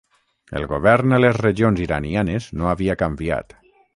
El govern a les regions iranianes no havia canviat.